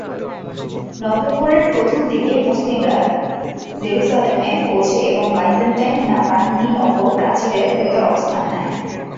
নভেম্বরের প্রথমদিকে মুসলিমরা জেরুসালেমে পৌছে এবং বাইজেন্টাইন বাহিনী নগর প্রাচীরের ভেতর অবস্থান নেয়।